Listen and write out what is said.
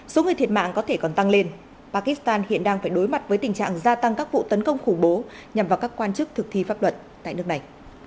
số người thiệt mạng có thể còn tăng lên pakistan hiện đang phải đối mặt với tình trạng gia tăng các vụ tấn công khủng bố nhằm vào các quan chức thực thi pháp luật tại nước này